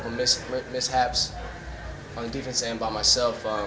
saya memiliki beberapa kesalahan di pengecekan dan di diri sendiri